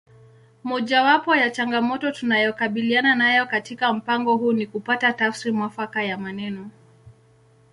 Mojawapo ya changamoto tunayokabiliana nayo katika mpango huu ni kupata tafsiri mwafaka ya maneno